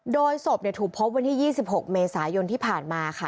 โดยศพถูกพบวันที่๒๖เมษายนที่ผ่านมาค่ะ